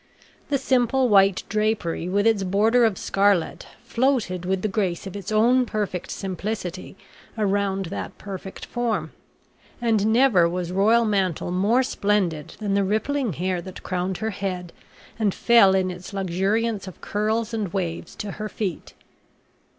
The simple white drapery with its border of scarlet floated with the grace of its own perfect simplicity around that perfect form, and never was royal mantle more splendid than the rippling hair that crowned her head and fell in its luxuriance of curls and waves to her feet.